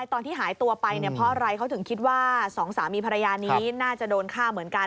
ตอนที่หายตัวไปเนี่ยเพราะอะไรเขาถึงคิดว่าสองสามีภรรยานี้น่าจะโดนฆ่าเหมือนกัน